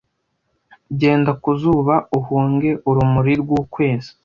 genda ku zuba uhunge urumuri rw'ukwezi